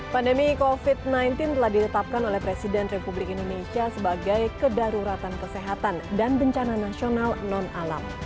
pandemi covid sembilan belas telah ditetapkan oleh presiden republik indonesia sebagai kedaruratan kesehatan dan bencana nasional non alam